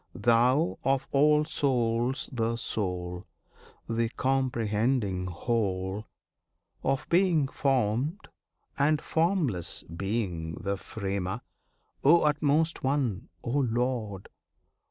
Thou, of all souls the Soul! The Comprehending Whole! Of being formed, and formless being the Framer; O Utmost One! O Lord!